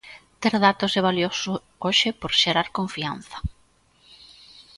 Ter datos é valioso hoxe por xerar confianza.